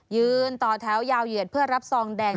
ต่อแถวยาวเหยียดเพื่อรับซองแดง